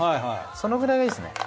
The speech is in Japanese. そのくらいがいいですね。